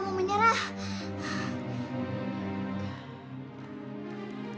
saya gak mau menyerah